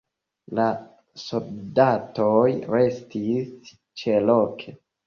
La soldatoj restis ĉeloke.